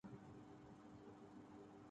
براہ مہربانی آپ میری تصویر اتار سکتے